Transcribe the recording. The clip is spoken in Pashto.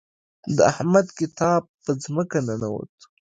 د احمد کتاب په ځمکه ننوت.